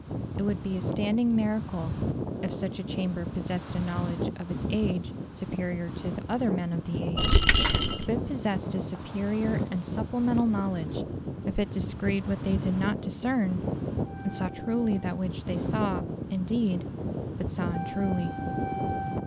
It would be a standing miracle if such a chamber possessed a knowledge of its age superior to the other men of the age; if it possessed a superior and supplemental knowledge; if it descried what they did not discern, and saw truly that which they saw, indeed, but saw untruly.